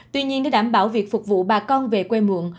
tuy nhiên để đảm bảo việc phục vụ bà con về quê muộn